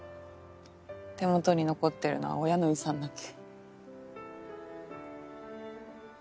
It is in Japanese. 手元に残ってるのは親の遺産だけ。